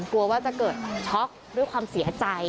กลัวว่าจะเกิดช็อกด้วยความเสียใจ